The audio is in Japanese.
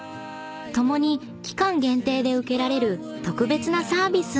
［共に期間限定で受けられる特別なサービスなんですが］